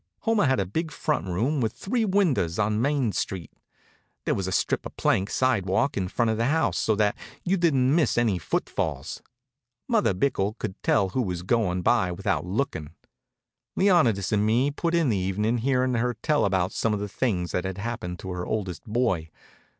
Homer had a big front room with three windows on Main Street. There was a strip of plank sidewalk in front of the house, so that you didn't miss any footfalls. Mother Bickell could tell who was goin' by without lookin'. Leonidas and me put in the evening hearin' her tell about some of the things that had happened to her oldest boy.